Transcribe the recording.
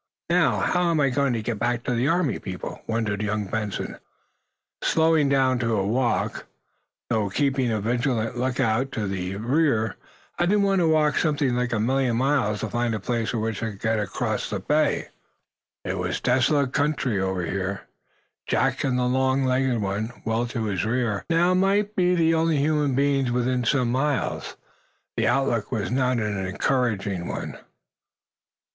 "Now, how am I going to get back to the Army people?" wondered young Benson, slowing down to a walk, though keeping a vigilant lookout to the rear. "I don't want to walk something like a million miles to find a place from which I can get across the bay." It was desolate country, over here. Jack and the long legged one, well to his rear, now, might be the only human beings within some miles. The outlook was not an encouraging one.